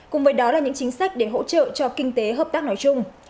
cùng với đó là những chính sách để hỗ trợ cho kinh tế hợp tác nói chung